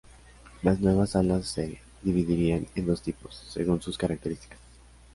Las nuevas salas se dividirían en dos tipos, según sus características.